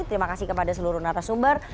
terima kasih kepada seluruh narasumber